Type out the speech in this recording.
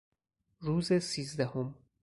روز سیزدهم